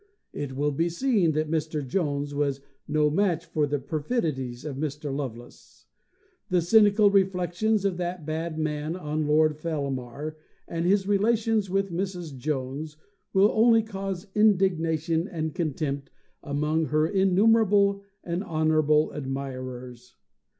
It will be seen that Mr. Jones was no match for the perfidies of Mr. Lovelace. The cynical reflections of that bad man on Lord Fellamar, and his relations with Mrs. Jones, will only cause indignation and contempt among her innumerable and honourable admirers.